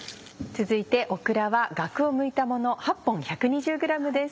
続いてオクラはガクをむいたもの８本１２０ｇです。